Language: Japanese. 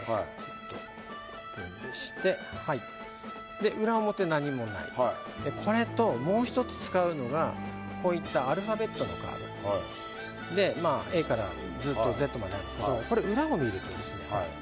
はい裏表何もないこれともうひとつ使うのがこういったアルファベットのカードでＡからずっとＺまであるんですけどこれ裏を見るとですね